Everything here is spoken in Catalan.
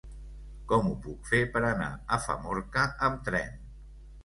Com ho puc fer per anar a Famorca amb tren?